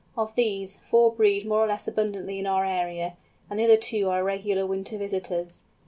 Of these, four breed more or less abundantly in our area, and the other two are irregular winter visitors.